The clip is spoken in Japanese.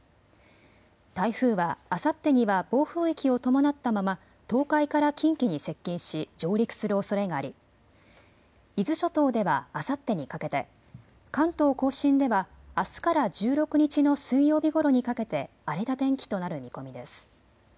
台風はあさってには暴風域を伴ったまま東海から近畿に接近し上陸するおそれがあり、伊豆諸島ではあさってにかけて、関東甲信ではあすから１６日の水曜日ごろにかけて荒れた天気となる見込みです。